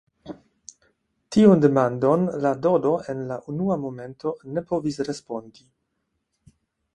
Tiun demandon la Dodo en la unua momento ne povis respondi.